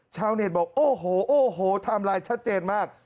ชาวเน็ตบอกโอ้โหโอ้โหไทม์ไลน์ชัดเจนมาก